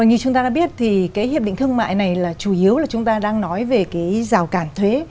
như chúng ta đã biết thì cái hiệp định thương mại này là chủ yếu là chúng ta đang nói về cái rào cản thuế